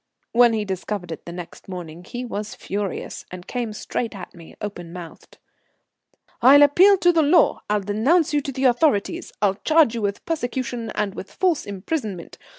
When he discovered it next morning he was furious, and came straight at me open mouthed. "I'll appeal to the law, I'll denounce you to the authorities, I'll charge you with persecution and with false imprisonment.